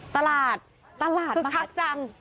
ตลาดคือคลักจัง